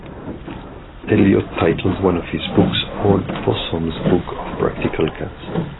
Eliot titled one of his books "Old Possum's Book of Practical Cats".